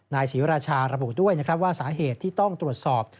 นายศิราชาระบุด้วยว่าสาเหตุที่ต้องตรวจสอบ